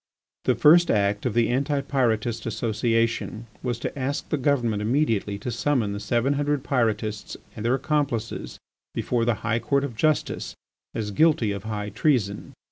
The first act of the Anti Pyrotist Association was to ask the Government immediately to summon the seven hundred Pyrotists and their accomplices before the High Court of Justice as guilty of high treason.